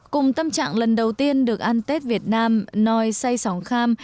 cùng tâm trạng lần đầu tiên được ăn tết việt nam nòi xay sòng kham